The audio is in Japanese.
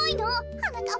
はなかっ